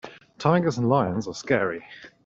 Tigers and lions are scary.